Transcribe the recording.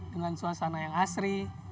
dengan suasana yang asri